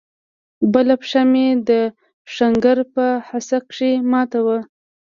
بله پښه مې د ښنگر په حصه کښې ماته وه.